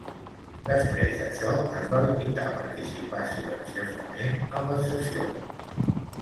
Després d'això, es va limitar a participar silenciosament en les sessions.